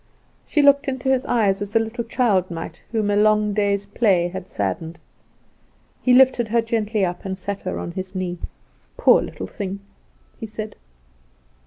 She looked into his eyes as a little child might whom a long day's play had saddened. He lifted her gently up, and sat her on his knee. "Poor little thing!" he said.